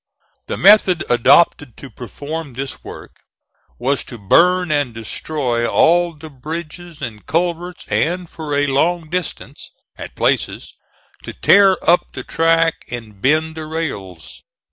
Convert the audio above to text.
The method adopted to perform this work, was to burn and destroy all the bridges and culverts, and for a long distance, at places, to tear up the track and bend the rails.